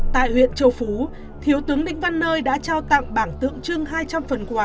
tại huyện châu phú thiếu tướng lĩnh văn nơi đã trao tặng bảng tượng trưng hai trăm linh phần quà